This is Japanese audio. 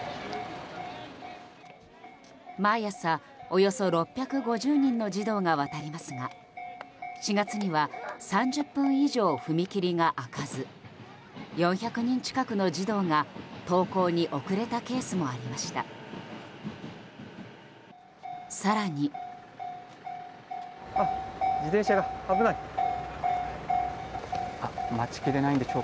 毎朝、およそ６５０人の児童が渡りますが４月には３０分以上、踏切が開かず４００人近くの児童が登校に遅れたケースもありました。